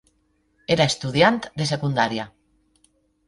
Era estudiant de secundària.